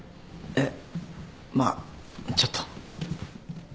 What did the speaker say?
えっまあちょっと。